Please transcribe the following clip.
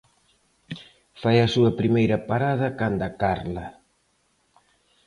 Fai a súa primeira parada canda Carla.